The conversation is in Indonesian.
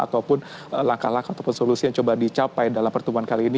ataupun langkah langkah ataupun solusi yang coba dicapai dalam pertemuan kali ini